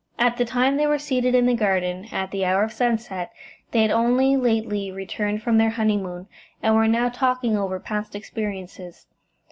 At the time they were seated in the garden, at the hour of sunset, they had only lately returned from their honeymoon, and were now talking over past experiences.